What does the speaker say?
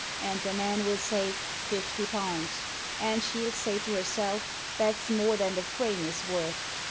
And the man will say, ' Fifty pounds!' And she'll say to herself, 'That's more than the frame is worth.'